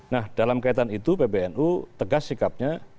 nah dalam kaitan itu pbnu tegas sikapnya